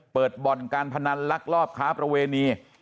บ่อนการพนันลักลอบค้าประเวณี